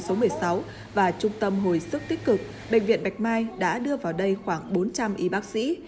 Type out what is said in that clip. số một mươi sáu và trung tâm hồi sức tích cực bệnh viện bạch mai đã đưa vào đây khoảng bốn trăm linh y bác sĩ